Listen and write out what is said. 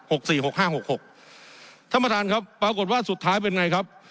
หกห้าหกหกท่านประธานครับปรากฏว่าสุดท้ายเป็นไงครับ